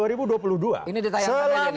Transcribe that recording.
ini ditayangkan aja nih